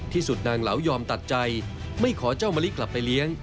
ที่สุดนางเหลายอมตัดใจไม่ขอเจ้ามะลิกลับไปเลี้ยง